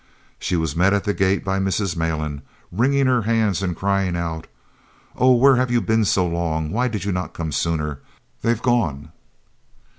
She was met at the gate by Mrs. Malan, wringing her hands and crying out: "Oh, where have you been so long? Why did you not come sooner? _They've gone!